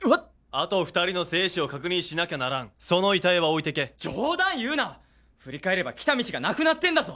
あと二人の生死を確認しなきゃならんその遺体は置いてけ冗談言うな振り返れば来た道がなくなってんだぞ